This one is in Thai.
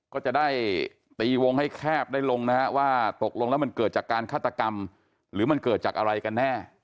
ก็จะได้ตีวงให้แคบได้ลงนะฮะว่าตกลงแล้วมันเกิดจากการฆาตกรรมหรือมันเกิดจากอะไรกันแน่